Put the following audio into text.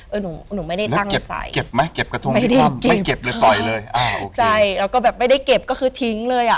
เออหนูไม่ได้ตั้งใจไม่ได้เก็บค่ะใช่แล้วก็แบบไม่ได้เก็บก็คือทิ้งเลยอะ